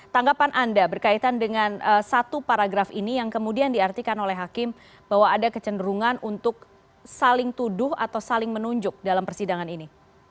tanggapan anda berkaitan dengan satu paragraf ini yang kemudian diartikan oleh hakim bahwa ada kecenderungan untuk saling tuduh atau saling menunjuk dalam persidangan ini